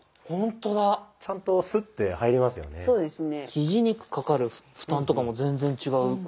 ひじにかかる負担とかも全然違う。